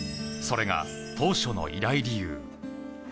それが当初の依頼理由。